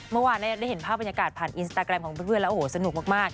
เมื่อวานได้เห็นภาพบรรยากาศผ่านอินสตาแกรมของเพื่อนแล้วโอ้โหสนุกมาก